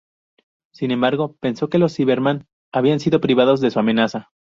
Sin embargo, pensó que los Cybermen habían sido privados de su amenaza.